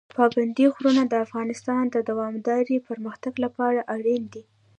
پابندي غرونه د افغانستان د دوامداره پرمختګ لپاره اړین دي.